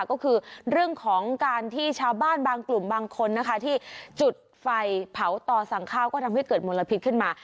ก็คือเรื่องของการที่ชาวบ้านบางกลุ่มบางคนนะคะที่จุดไฟเผาต่อสั่งข้าวก็ทำให้เกิดมลพิษขึ้นมา